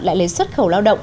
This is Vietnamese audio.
lại lấy xuất khẩu lao động